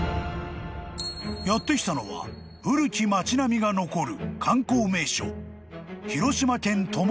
［やって来たのは古き町並みが残る観光名所］